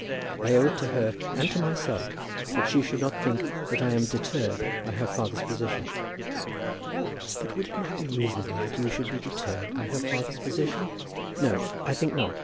I owe it to her and to myself that she should not think that I am deterred by her father's position." "But would it not be reasonable that you should be deterred by her father's position?" "No, I think not.